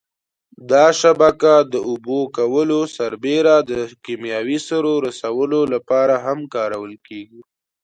دا شبکه د اوبه کولو سربېره د کېمیاوي سرو رسولو لپاره هم کارول کېږي.